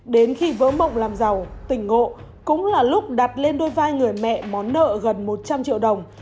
đến khi vỡ mộng làm giàu tình ngộ cũng là lúc đặt lên đôi vai người mẹ món nợ gần một trăm linh triệu đồng